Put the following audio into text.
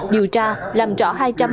điều tra làm rõ hai trăm hai mươi bốn